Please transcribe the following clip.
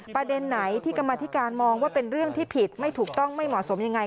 ประเด็นไหนที่กรรมธิการมองว่าเป็นเรื่องที่ผิดไม่ถูกต้องไม่เหมาะสมยังไง